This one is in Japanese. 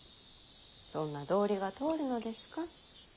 そんな道理が通るのですか？